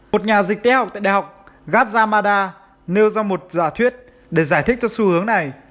một nhà dịch tế học tại đại học gajah mada nêu ra một giả thuyết để giải thích cho xu hướng này